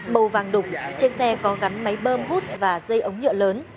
màu vàng đục trên xe có gắn máy bơm hút và dây ống nhựa lớn